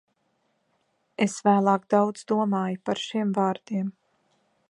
Es vēlāk daudz domāju par šiem vārdiem.